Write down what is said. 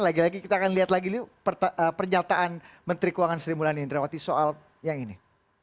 lagi lagi kita akan lihat lagi pernyataan menteri keuangan sri mulyani indrawati soal yang ini